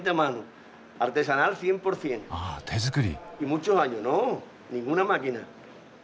あ「手作り」！